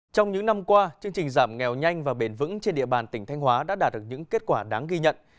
trong những năm qua chương trình giảm nghèo nhanh và bền vững trên địa bàn tỉnh thanh hóa đã đạt được những kết quả đáng ghi nhận